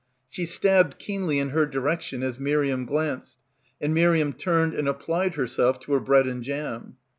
She stabbed keenly in her direction as Miriam glanced, and Miriam turned and applied herself to her bread and jam.